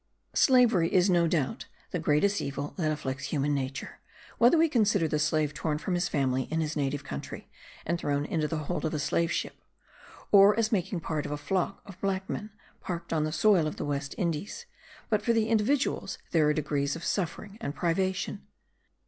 Slavery is no doubt the greatest evil that afflicts human nature, whether we consider the slave torn from his family in his native country and thrown into the hold of a slave ship,* or as making part of a flock of black men, parked on the soil of the West Indies; but for individuals there are degrees of suffering and privation.